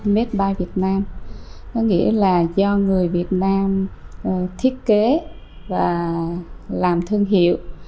made by việt nam có nghĩa là do người việt nam thiết kế và làm thương hiệu